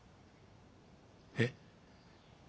えっ？